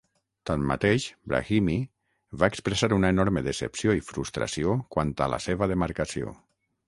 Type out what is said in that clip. Tanmateix, Brahimi va expressar una enorme decepció i frustració quant a la seva demarcació.